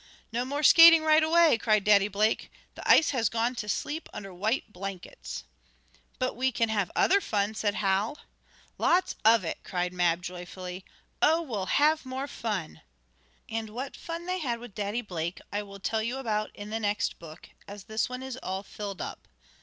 "No more skating right away!" cried Daddy Blake, "The ice has gone to sleep under white blankets." "But we can have other fun!" said Hal. "Lots of it!" cried Mab, joyfully. "Oh we'll have more fun!" And what fun they had with Daddy Blake I will tell you about in the next book, as this one is all filled up.